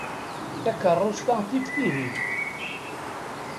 Takeṛṛust-a tif tihin.